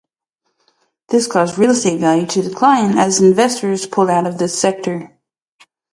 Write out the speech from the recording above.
This caused real estate value to decline as investors pulled out of this sector.